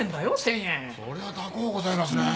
そりゃ高うございますねぇ。